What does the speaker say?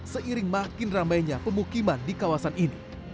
seiring makin ramainya pemukiman di kawasan ini